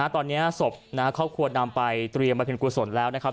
ตอนนี้ศพครอบครัวนำไปเตรียมมาเป็นกุศลแล้วนะครับ